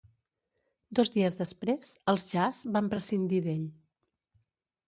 Dos dies després, els Jazz van prescindir d'ell.